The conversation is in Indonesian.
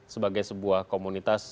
sebagai sebuah komunitas